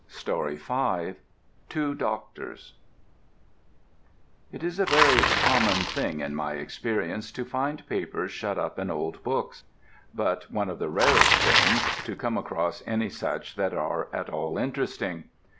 TWO DOCTORS TWO DOCTORS It is a very common thing, in my experience, to find papers shut up in old books; but one of the rarest things to come across any such that are at all interesting.